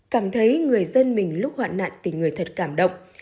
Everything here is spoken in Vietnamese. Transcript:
cảm thấy người dân mình lúc hoạn nạn thì người thật cảm động